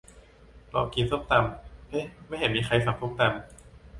รอกินส้มตำ เอ๊ะ ไม่เห็นมีใครสั่งส้มตำ